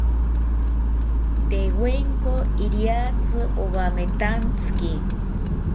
Tewenko riatzi owametantziki